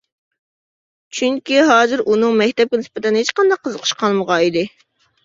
چۈنكى ھازىر ئۇنىڭ مەكتەپكە نىسبەتەن ھېچقانداق قىزىقىشى قالمىغان ئىدى.